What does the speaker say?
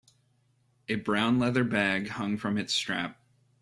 A brown leather bag hung from its strap.